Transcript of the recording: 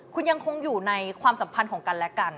คุณยังคงอยู่ในความสัมพันธ์ของกันและกัน